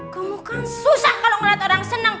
kamu kan susah kalo ngeliat orang seneng